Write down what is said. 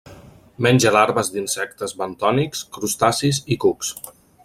Menja larves d'insectes bentònics, crustacis i cucs.